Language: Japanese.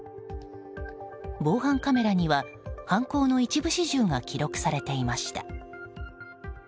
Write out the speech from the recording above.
防犯カメラには犯行の一部始終が記録されていました。